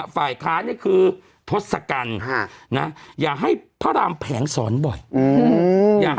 ฝ่ายค้านเนี่ยคือทศกัณฐ์อย่าให้พระรามแผงสอนบ่อย